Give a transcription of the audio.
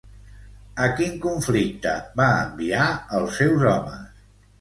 A quin conflicte va enviar els seus homes?